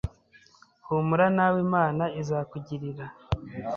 Humura nawe Imana izakugirira